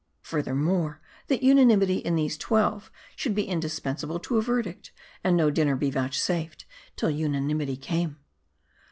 Furthermore, that unanimity in these twelve should be indispensable to a verdict ; and no dinner be vouchsafed till unanimity came.